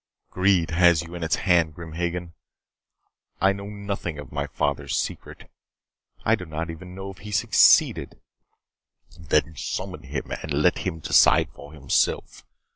"Greed has you in its hand, Grim Hagen. I know nothing of my father's secret. I do not even know if he succeeded " "Then summon him and let him decide for himself.